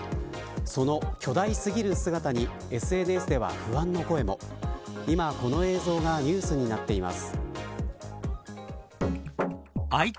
その巨大過ぎる姿にＳＮＳでは不安の声も今この映像がニュースになっています。